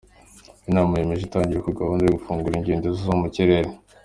Iyi nama yemeje itangira rya gahunda yo gufungura ingendo zo mu kirere.